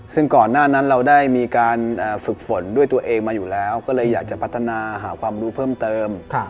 ซึ่งก่อนหน้านั้นเราได้มีการฝึกฝนด้วยตัวเองมาอยู่แล้วก็เลยอยากจะพัฒนาหาความรู้เพิ่มเติม